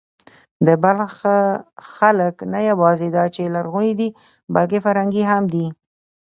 د بلخ خلک نه یواځې دا چې لرغوني دي، بلکې فرهنګي هم دي.